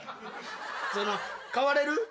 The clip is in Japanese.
その代われる？